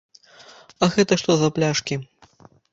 А гэта што за пляшкі?